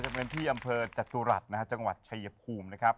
วันที่อนเตอร์จัตรูหลัดหน้าจังหวัดซีภูมินะครับ